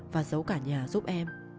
và giấu cả nhà giúp em